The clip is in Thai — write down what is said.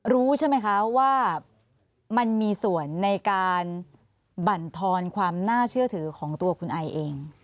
รู้ใช่ไหมคะว่ามันมีส่วนในการบรรทอนความน่าเชื่อถือของตัวคุณไอเอง